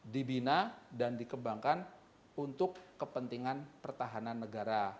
dibina dan dikembangkan untuk kepentingan pertahanan negara